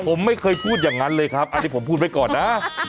ผมไม่เคยพูดอย่างนั้นเลยครับอันนี้ผมพูดไว้ก่อนนะ